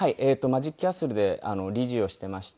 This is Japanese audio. マジックキャッスルで理事をしていまして。